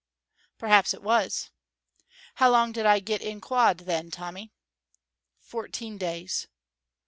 Perhaps it was. "How long did I get in quod, then, Tommy?" "Fourteen days."